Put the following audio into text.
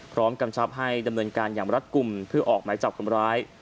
กำชับให้ดำเนินการอย่างรัฐกลุ่มเพื่อออกหมายจับคนร้าย